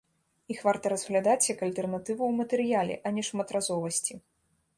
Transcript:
Іх варта разглядаць як альтэрнатыву ў матэрыяле, а не шматразовасці.